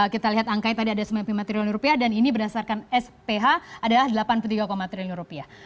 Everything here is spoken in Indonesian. kita lihat angkanya tadi ada sembilan puluh lima triliun rupiah dan ini berdasarkan sph adalah delapan puluh tiga triliun rupiah